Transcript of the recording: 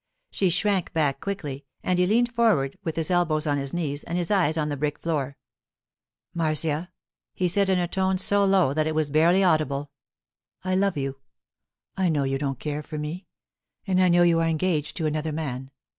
She shrank back quickly, and he leaned forward with his elbows on his knees and his eyes on the brick floor. 'Marcia,' he said in a tone so low that it was barely audible, 'I love you. I know you don't care for me; I know you are engaged to another man.